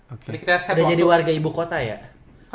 udah jadi warga ibu kota ya